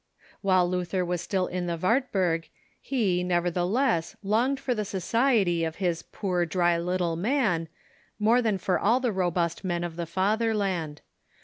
While Luther was still in the AVartburg, he, nevertheless, longed for the society of his " poor, dry, little man " more than for all the robust men of the Fatherland.